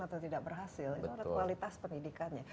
atau tidak berhasil kualitas pendidikannya